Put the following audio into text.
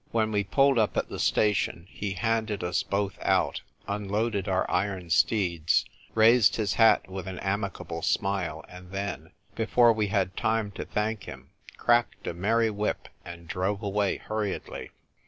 When we pulled up at the station, he handed us both out, unloaded our iron steeds, raised his hat with an amicable smile, and then, before we had time to thank him, cracked a merry whip, and drove away hurriedly.